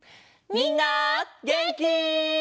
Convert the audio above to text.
みんなげんき？